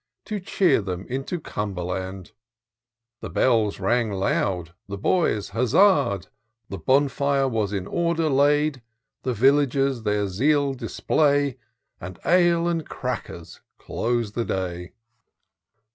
To cheer them into Cumberland. The bells rang loud, the boys huzza'd; The bonfire was in order laid ; The villagers their zeal display. And ale and crackers close the day.